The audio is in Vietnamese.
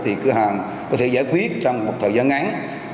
thì cửa hàng có thể giải quyết trong một thời gian ngắn